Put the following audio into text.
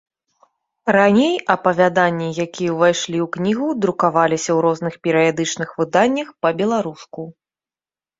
Раней апавяданні, якія ўвайшлі ў кнігу, друкаваліся ў розных перыядычных выданнях па-беларуску.